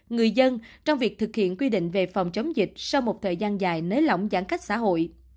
người dân trong việc thực hiện quy định về phòng chống dịch sau một thời gian dài nới lỏng giãn cách xã hội